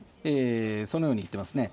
そのように言ってますね。